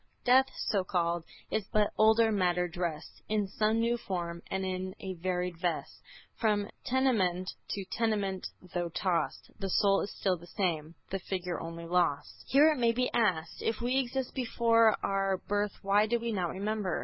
"Death, so called, is but older matter dressed In some new form. And in a varied vest, From tenement to tenement though tossed, The soul is still the same, the figure only lost." Poem on Pythagoras, Dryden's Ovid. Here it may be asked, if we existed before our birth why do we not remember?